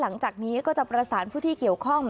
หลังจากนี้ก็จะประสานผู้ที่เกี่ยวข้อง